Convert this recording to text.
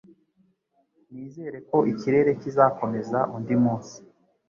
Nizere ko ikirere kizakomeza undi munsi.